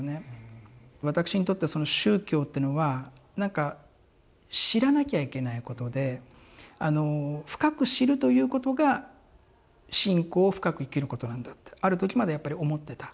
私にとっては宗教っていうのは何か知らなきゃいけないことで深く知るということが信仰を深く生きることなんだってある時までやっぱり思ってた。